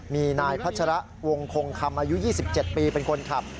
มีนายพัชระวงคงคำอายุ๒๗ปีเป็นคนขับ